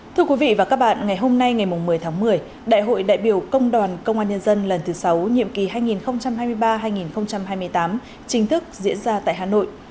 thưa quý vị và các bạn ngày hôm nay ngày một mươi tháng một mươi đại hội đại biểu công đoàn công an nhân dân lần thứ sáu nhiệm kỳ hai nghìn hai mươi ba hai nghìn hai mươi tám chính thức diễn ra tại hà nội